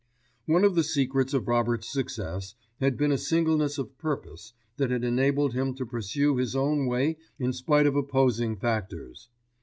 One of the secrets of Robert's success had been a singleness of purpose that had enabled him to pursue his own way in spite of opposing factors.